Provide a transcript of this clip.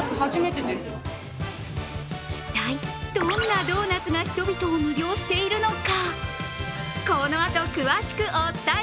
一体、どんなドーナツが人々を魅了しているのか。